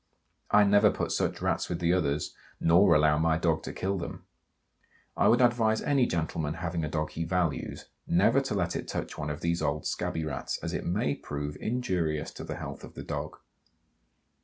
I never put such Rats with the others nor allow my dog to kill them. I would advise any gentleman having a dog he values never to let it touch one of these old scabby Rats, as it may prove injurious to the health of the dog.